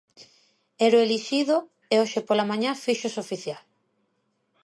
Era o elixido e hoxe pola mañá fíxose oficial.